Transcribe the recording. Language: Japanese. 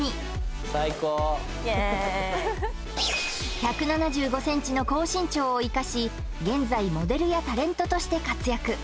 １７５ｃｍの高身長を生かし現在モデルやタレントとして活躍